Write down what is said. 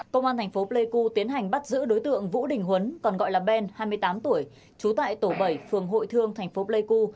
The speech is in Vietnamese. công an thành phố pleiku tiến hành bắt giữ đối tượng vũ đình huấn còn gọi là ben hai mươi tám tuổi trú tại tổ bảy phường hội thương thành phố pleiku